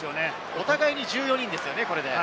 お互いに１４人ですよね。